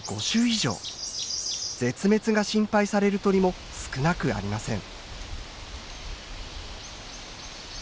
絶滅が心配される鳥も少なくありません。